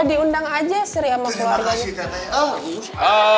diundang aja sri sama keluarga